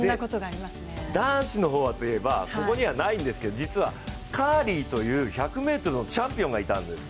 男子の方はといえば、ここにはないんですけれども、実はカーリーという１００ｍのチャンピオンがいたんです。